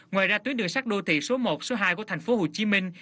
ngoài ra tuyến đường sắt đô thị số một số hai của thành phố hồ chí minh